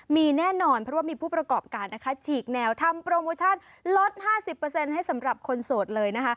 มีแน่นอนเพราะว่ามีผู้ประกอบการนะคะฉีกแนวทำโปรโมชั่นลด๕๐ให้สำหรับคนโสดเลยนะคะ